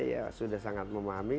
ya sudah sangat memahami